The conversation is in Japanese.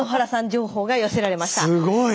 情報が寄せられました。